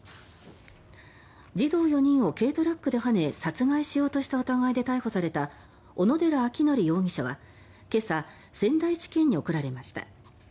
児童４人を軽トラックではね殺害しようとした疑いで逮捕された小野寺章仁容疑者は今朝、仙台地検に送られました。